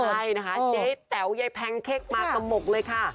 ใช่นะคะเจ๊แต๋วยายแพงเค้กมากับหมกเลยค่ะ